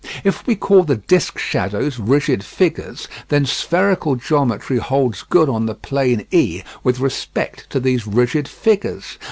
If we call the disc shadows rigid figures, then spherical geometry holds good on the plane E with respect to these rigid figures.